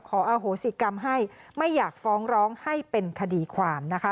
อโหสิกรรมให้ไม่อยากฟ้องร้องให้เป็นคดีความนะคะ